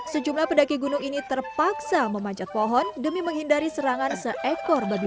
sejumlah pendaki gunung ini terpaksa memanjat pohon demi menghindari serangan seekor baduy